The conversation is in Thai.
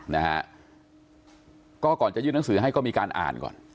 นะฮะก็ก่อนจะยื่นหนังสือให้ก็มีการอ่านก่อน